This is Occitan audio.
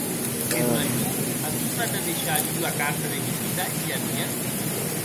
Eth major a tornat a deishar ua carta de visita, hilha mia?